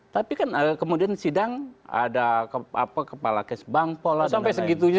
tapi kan kemudian sidang ada kepala cash bank pola dsb